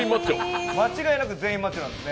間違いなく全員マッチョなんですね。